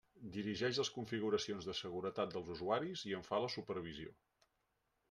Dirigeix les configuracions de seguretat dels usuaris i en fa la supervisió.